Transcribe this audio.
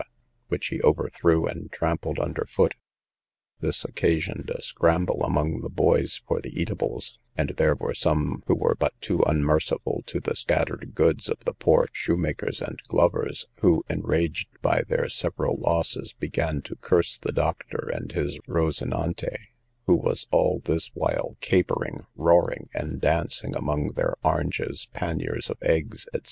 which he overthrew and trampled under foot; this occasioned a scramble among the boys for the eatables, and there were some who were but too unmerciful to the scattered goods of the poor shoemakers and glovers, who, enraged by their several losses, began to curse the doctor and his Rosinante, who was all this while capering, roaring, and dancing among their oranges, panniers of eggs, &c.